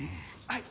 はい。